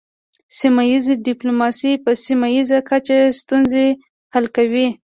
سیمه ایز ډیپلوماسي په سیمه ایزه کچه ستونزې حل کوي